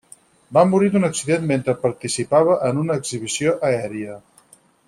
Va morir d'un accident mentre participava en una exhibició aèria.